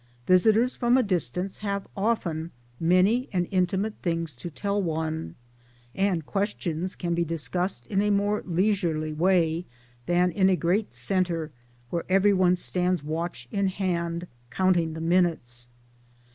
Visitors from a distance have often many and intimate things to tell one, and questions can be discussed in a more leisurely way than in a great centre where every one stands watch in hand, counting the minutes.